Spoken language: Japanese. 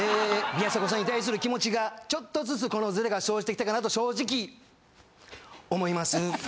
宮迫さんに対する気持ちがちょっとずつこのズレが生じてきたかなと正直思います。